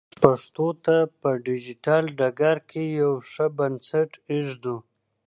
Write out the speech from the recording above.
موږ پښتو ته په ډیجیټل ډګر کې یو ښه بنسټ ایږدو.